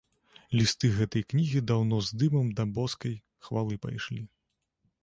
Лісты гэтай кнігі даўно з дымам да боскай хвалы пайшлі.